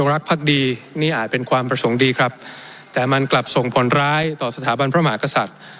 เนี่ยเป็นความประสงค์ดีครับและมันกลับส่งผลร้ายต่อสถาบันพระหมากษัตริย์